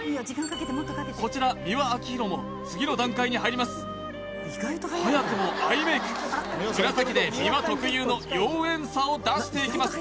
こちら美輪明宏も次の段階に入ります早くもアイメイク紫で美輪特有の妖艶さを出していきます